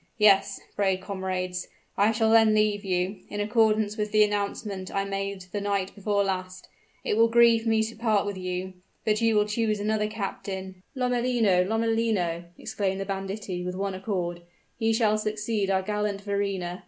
Yes, brave comrades, I shall then leave you, in accordance with the announcement I made the night before last. It will grieve me to part with you; but you will choose another captain " "Lomellino! Lomellino!" exclaimed the banditti with one accord; "he shall succeed our gallant Verrina!"